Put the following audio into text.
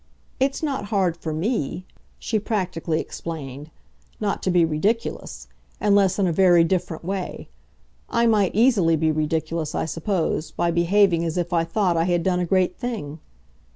It's not hard for ME," she practically explained, "not to be ridiculous unless in a very different way. I might easily be ridiculous, I suppose, by behaving as if I thought I had done a great thing.